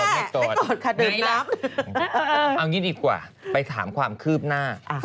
ไม่โกรธค่ะเดินน้ำเอางี้ดีกว่าไปถามความคือบหน้าอ่า